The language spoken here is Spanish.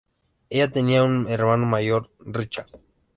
Ella tenía un hermano mayor, Richard.